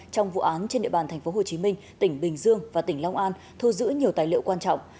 trong vụ án trên địa bàn tp hcm tỉnh bình dương và tỉnh long an thu giữ nhiều tài liệu quan trọng